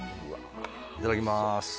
いただきます。